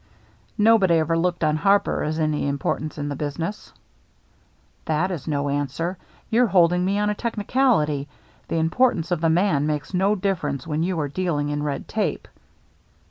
" Nobody ever looked on Harper as of any importance in the business." " That is no answer. You're holding me on a technicality. The importance of the man makes no difference when you are dealing in red tape."